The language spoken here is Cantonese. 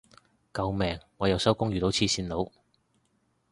救命我又收工遇到黐線佬